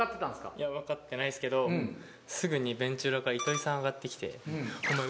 いや分かってないっすけどすぐにベンチ裏から糸井さん上がってきて。